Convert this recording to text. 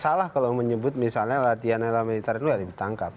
salah kalau menyebut misalnya latihan ala militer itu harus ditangkap